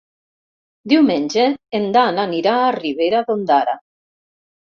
Diumenge en Dan anirà a Ribera d'Ondara.